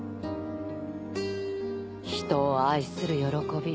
人を愛する喜び